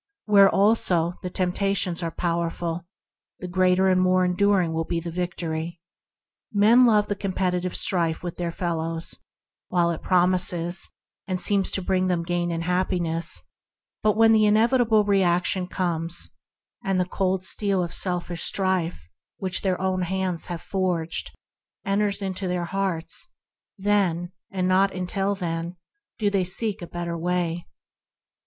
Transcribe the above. Where, also, tempta tions are powerful, greater and more enduring will be the victory. Men love the competitive strife with their fellows while it promises and seems to bring them gain and happiness; but when the inevitable reaction comes and the cold steel of selfish strife that their own hands have forged enters their own hearts, then, and not till E.K. 2] 16 ENTERING THE KINGDOM then, do they seek a better way.